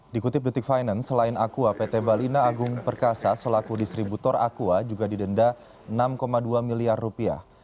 dikutip detik finance selain aqua pt balina agung perkasa selaku distributor aqua juga didenda enam dua miliar rupiah